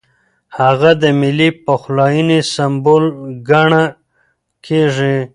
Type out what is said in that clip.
هغه د ملي پخلاینې سمبول ګڼل کېږي.